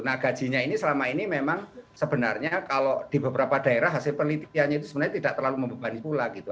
nah gajinya ini selama ini memang sebenarnya kalau di beberapa daerah hasil penelitiannya itu sebenarnya tidak terlalu membebani pula gitu